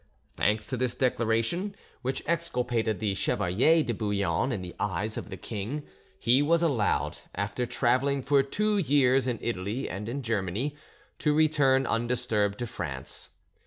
Thanks—to this declaration, which exculpated the Chevalier de Bouillon in the eyes of the king, he was allowed, after travelling for two years in Italy and in Germany, to return undisturbed to France.